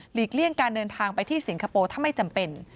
เลี่ยงการเดินทางไปที่สิงคโปร์ถ้าไม่จำเป็น